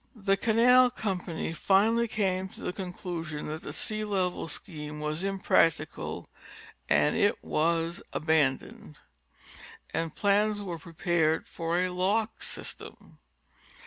The canal company finally came to the conclusion that the sea level scheme was impracticable and it was abandoned, and plans were prepared for a lock system.